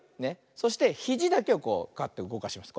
そしてひじだけをこうガッてうごかします